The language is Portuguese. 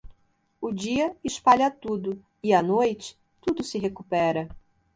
O dia, espalha tudo, e à noite, tudo se recupera.